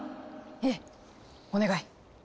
ええお願い。